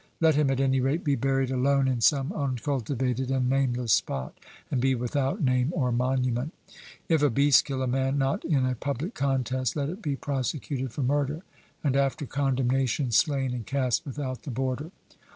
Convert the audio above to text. Let him, at any rate, be buried alone in some uncultivated and nameless spot, and be without name or monument. If a beast kill a man, not in a public contest, let it be prosecuted for murder, and after condemnation slain and cast without the border.